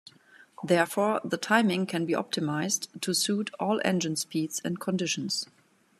Therefore, the timing can be optimized to suit all engine speeds and conditions.